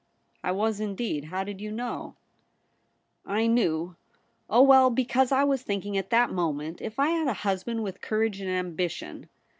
' I was indeed. How did you know ?'' I knew — oh, w^ell, because I was thinking at that moment — if I had a husband with courage and ambition.